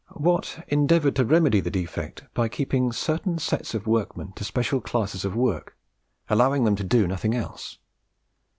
Watt endeavoured to remedy the defect by keeping certain sets of workmen to special classes of work, allowing them to do nothing else.